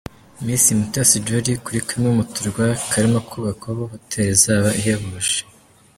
Miss Mutesi Jolly kuri kamwe mu turwa karimo kubakwaho hotel izaba ihebuje.